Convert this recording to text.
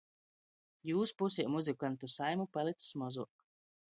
Jūs pusē muzykantu saimu palics mozuok.